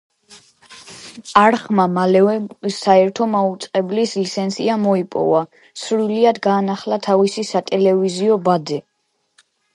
არხმა მალევე საერთო მაუწყებლის ლიცენზია მოიპოვა, სრულიად განაახლა თავისი სატელევიზიო ბადე.